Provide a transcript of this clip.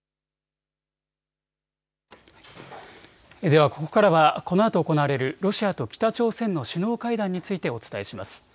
ではここからはこのあと行われるロシアと北朝鮮の首脳会談についてお伝えします。